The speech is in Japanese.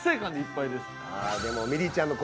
でもみりちゃむ